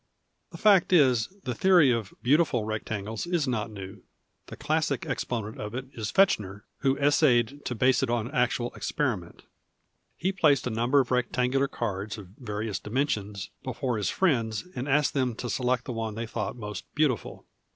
The fact is the theory of " beautiful " rectangles is not new. The classic exponent of it is Fechner, who essayed to base it on actual experiment. He placed a number of rectangular cards of various dimensions before his friends, and asked them to select the one they thought most beautiful.